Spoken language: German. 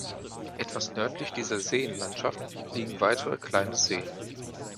Etwas nördlich dieser Seenlandschaft liegen weitere kleine Seen.